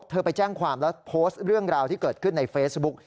ไปแจ้งความแล้วโพสต์เรื่องราวที่เกิดขึ้นในเฟซบุ๊ก